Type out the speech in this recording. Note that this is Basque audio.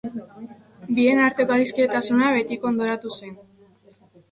Bien arteko adiskidetasuna betiko hondoratu zen.